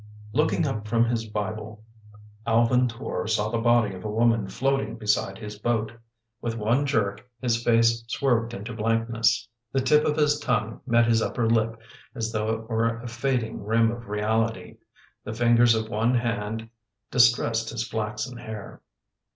Looking up from his Bible Alvin Tor saw the body of a woman floating beside his boat. With one jerk his face swerved into blankness. The tip [70 of his tongue met his upper lip as though it were a fading rim of reality. The fingers of one hand distressed his flaxen hair.